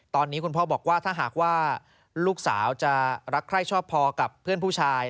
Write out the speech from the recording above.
ตอนนี้คุณพ่อบอกว่าถ้าหากว่าลูกสาวจะรักใคร้ชอบพอกับเพื่อนผู้ชาย